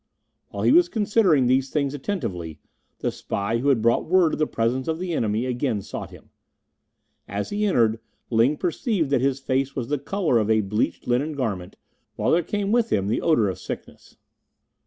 While he was considering these things attentively, the spy who had brought word of the presence of the enemy again sought him. As he entered, Ling perceived that his face was the colour of a bleached linen garment, while there came with him the odour of sickness.